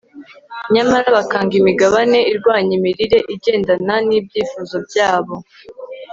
nyamara bakanga imigabane irwanya imirire igendana n'ibyifuzo byabo